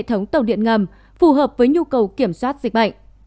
hệ thống tàu điện ngầm phù hợp với nhu cầu kiểm soát dịch bệnh